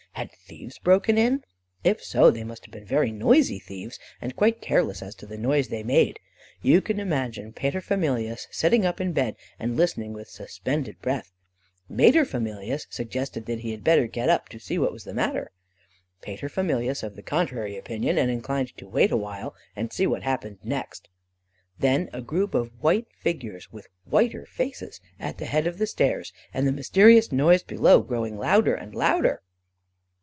Had thieves broken in? If so they must have been very noisy thieves, and quite careless as to the noise they made. You can imagine Paterfamilias sitting up in bed, and listening with suspended breath; Materfamilias suggesting that he had better get up, and see what was the matter; Paterfamilias of the contrary opinion, and inclined to wait a while, and see what happened next. Then a group of white figures, with whiter faces, at the head of the stairs, and the mysterious noise below growing louder and louder.